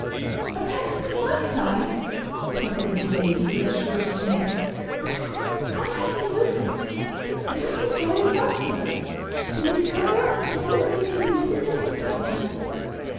"A person of my size!" said the little lady, with a shrill sniff. "I'd have you to know, prince, that I'm the fairy Buz fuz, the discoverer of the celebrated invisibility powder.